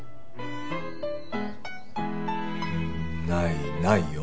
ないないよ。